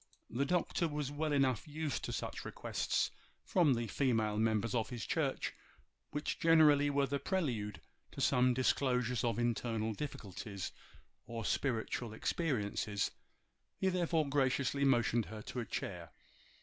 The Doctor was well enough used to such requests from the female members of his church, which generally were the prelude to some disclosures of internal difficulties or spiritual experiences. He therefore graciously motioned her to a chair.